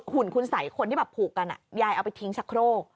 หุ่นคุณสัยคนที่แบบผูกกันยายเอาไปทิ้งชะโครก